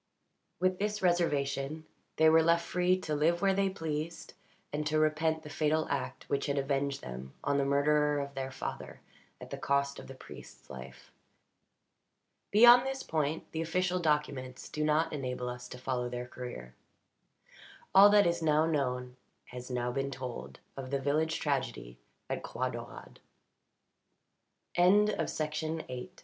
With this reservation they were left free to live where they pleased, and to repent the fatal act which had avenged them on the murderer of their father at the cost of the priest's life. Beyond this point the official documents do not enable us to follow their career. All that is now known has been now told of the village tragedy at Croix Daurade. THE BURIAL OF TH